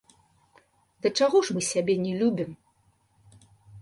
Да чаго ж мы сябе не любім!